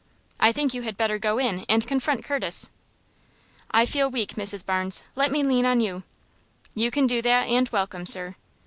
I think you had better go in and confront Curtis." "I feel weak, Mrs. Barnes. Let me lean on you." "You can do that, and welcome, sir."